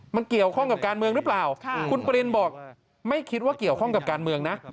มันเกี่ยวข้องกับการเมืองหรือเปล่าคุณปรินบอกไม่คิดว่าเกี่ยวข้องกับการเมืองนะ